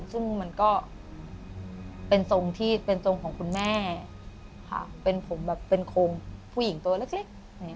ซึ่งมันก็เป็นทรงที่เป็นทรงของคุณแม่ค่ะเป็นผมแบบเป็นโครงผู้หญิงตัวเล็ก